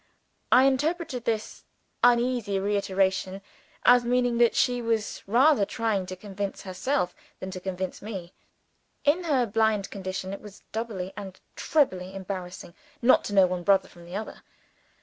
I interpreted this uneasy reiteration as meaning that she was rather trying to convince herself than to convince me. In her blind condition, it was doubly and trebly embarrassing not to know one brother from the other.